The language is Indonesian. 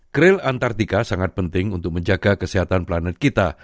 kril antartika sangat penting untuk menjaga kesehatan planet kita